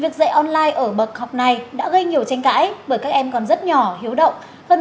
việc dạy online ở bậc học này đã gây nhiều tranh cãi bởi các em còn rất nhỏ hiếu động